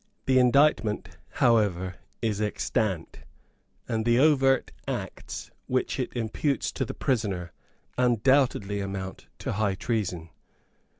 The indictment, however, is extant; and the overt acts which it imputes to the prisoner undoubtedly amount to high treason.